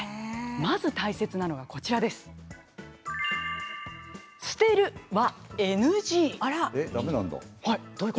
まず大切なのは捨てるはＮＧワード。